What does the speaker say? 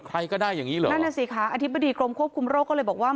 ใครก็ได้อย่างงี้เหรอนั่นน่ะสิคะอธิบดีกรมควบคุมโรคก็เลยบอกว่า